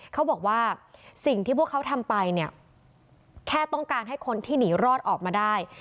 เขาบอกว่าสิ่งที่พวกเขาทำไปเนี่ยแค่ต้องการให้คนที่หนีรอดออกมาได้